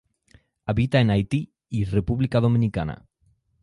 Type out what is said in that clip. Habita en Haití y República Dominicana.